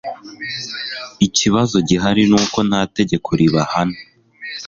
ikibazo gihari ni uko nta tegeko ribahana